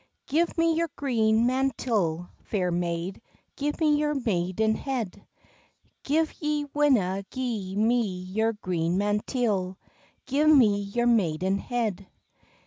"Give me your green manteel, fair maid, Give me your maidenhead; Gif ye winna gie me your green manteel, Gi me your maidenhead."